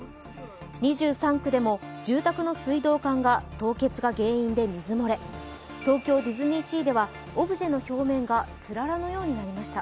２３区でも住宅の水道管が、凍結が原因で水漏れ、東京ディズニーシーではオブジェの表面がつららのようになりました。